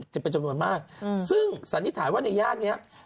จะเป็นจำนวนมากซึ่งสันนิษฐานว่าในย่านเนี้ย